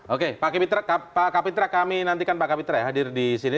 oke pak kapitra kami nantikan pak kapitra ya hadir di sini